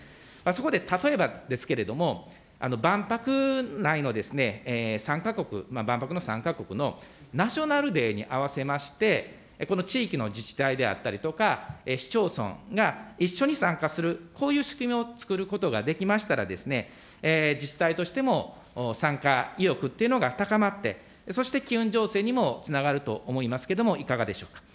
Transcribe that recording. そこで例えばですけれども、万博内の参加国、万博の参加国のナショナルデーに合わせまして、この地域の自治体であったりとか、市町村が一緒に参加する、こういう仕組みをつくることができましたらですね、自治体としても、参加意欲というものが高まって、そして機運醸成にもつながると思いますけれども、いかがでしょうか。